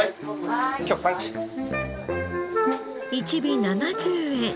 １尾７０円